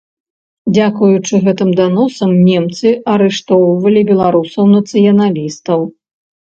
Дзякуючы гэтым даносам, немцы арыштоўвалі беларусаў-нацыяналістаў.